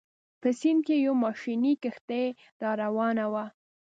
په سیند کې یوه ماشیني کښتۍ راروانه وه.